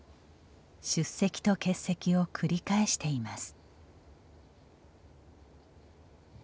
出席と欠席を繰り返しています。